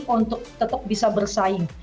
untuk tetap bisa bersaing